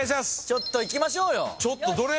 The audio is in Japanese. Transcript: ちょっといきましょうよ！